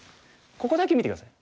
ここだけ見て下さい。